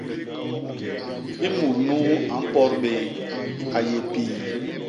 I mut nuu a mpot bé, a yé pii.